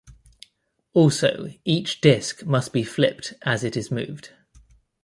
Also each disk must be flipped as it is moved.